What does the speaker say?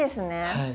はい。